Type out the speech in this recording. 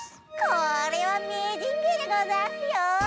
これはめいじんげいでござんすよ！